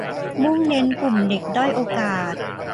มุ่งเน้นกลุ่มเด็กด้อยโอกาส